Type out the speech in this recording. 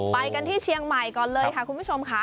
ไปกันที่เชียงใหม่ก่อนเลยค่ะคุณผู้ชมค่ะ